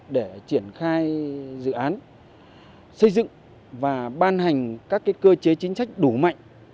để triển khai dự án xây dựng và ban hành các cơ chế chính sách đủ mạnh